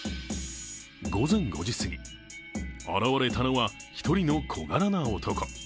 午前５時すぎ現れたのは１人の小柄な男。